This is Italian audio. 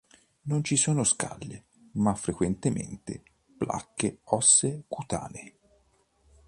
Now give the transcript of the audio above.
Non ci sono scaglie ma frequentemente placche ossee cutanee.